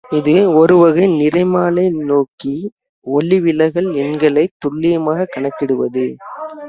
இது ஒருவகை நிறமாலை நோக்கி ஒளிவிலகல் எண்களைத் துல்லியமாகக் கணக்கிடுவது.